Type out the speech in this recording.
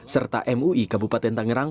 serta mui kabupaten tangerang